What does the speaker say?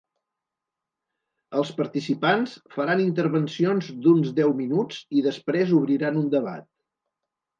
Els participants faran intervencions d’uns deu minuts i després obriran un debat.